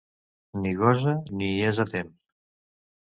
Ni gosa ni hi és a temps.